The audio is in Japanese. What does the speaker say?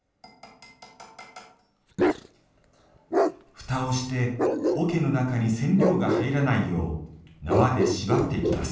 ふたをして、桶の中に染料が入らないよう縄で縛っていきます。